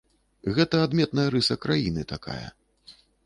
Гэта адметная рыса краіны такая.